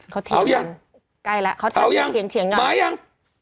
เขาเถียงกันกลายแล้วเขาจากลิมเถียงกัน